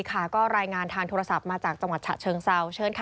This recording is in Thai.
ก็รายงานทางโทรศัพท์มาจากจังหวัดฉะเชิงเซาเชิญค่ะ